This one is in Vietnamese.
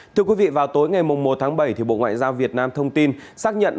thưa quý vị vào tối ngày một tháng bảy bộ ngoại giao việt nam thông tin xác nhận